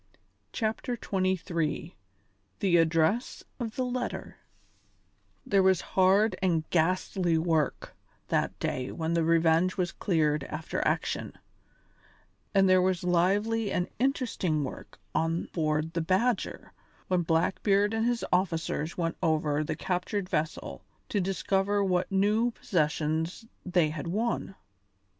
CHAPTER XXIII THE ADDRESS OF THE LETTER There was hard and ghastly work that day when the Revenge was cleared after action, and there was lively and interesting work on board the Badger when Blackbeard and his officers went over the captured vessel to discover what new possessions they had won.